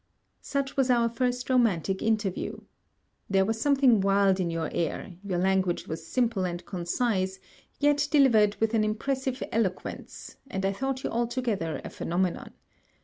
Such was our first romantic interview. There was something wild in your air; your language was simple and concise, yet delivered with an impressive eloquence, and I thought you altogether a phenomenon.